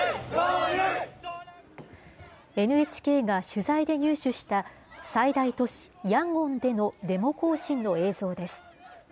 ＮＨＫが取材で入手した、最大都市ヤンゴンでのデモ行進の映像です。